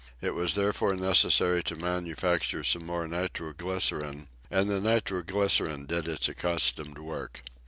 It was therefore necessary to manufacture some more nitro glycerine, and the nitro glycerine did its accustomed work.